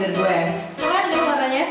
gimana tuh warnanya